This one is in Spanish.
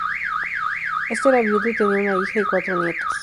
Este era viudo y tenía una hija y cuatro nietos.